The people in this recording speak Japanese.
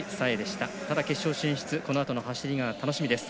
ただ決勝進出、このあとの走りが楽しみです。